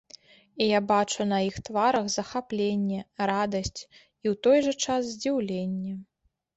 І я бачу на іх тварах захапленне, радасць і ў той жа час здзіўленне.